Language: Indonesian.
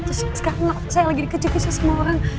terus sekarang saya lagi dikejepit sama orang